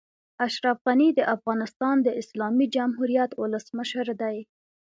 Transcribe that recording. اشرف غني د افغانستان د اسلامي جمهوريت اولسمشر دئ.